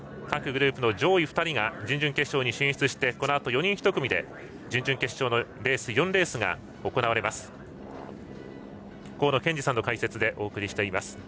各グループの上位２人が準々決勝に進出してこのあと、４人１組で準々決勝のレース４レースが行われます。